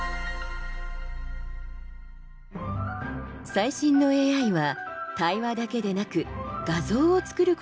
最新のＡＩは対話だけでなく画像を作ることもできます。